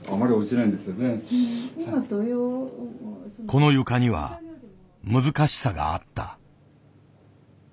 この床には難しさがあった。